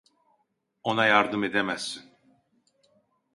Ona yardım edemezsin.